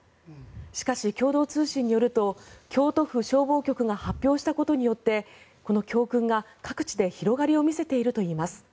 しかし、共同通信によると京都府消防局が発表したことによってこの教訓が各地で広がりを見せているといいます。